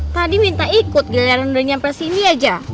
tadi minta ikut giliran udah nyampe sini aja